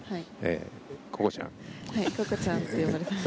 はいここちゃんって呼ばれてます。